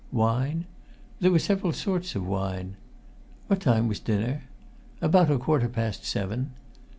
"Wine?" "There were several sorts of wine." "What time was dinner?" "About a quarter past seven."